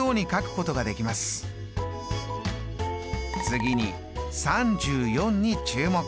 次に３４に注目！